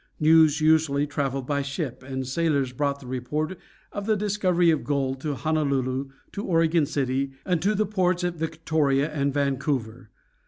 News usually traveled by ship, and sailors brought the report of the discovery of gold to Honolulu, to Oregon City, and to the ports at Victoria and Vancouver.